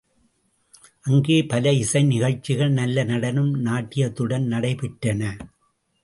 அங்கே பல இசை நிகழ்ச்சிகள், நல்ல நடனம் நாட்டியத்துடன் நடைபெற்றன.